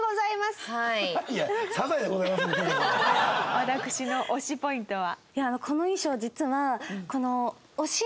私の推しポイントは。